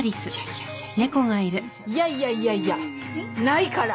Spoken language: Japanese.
いやいやいやいやないから！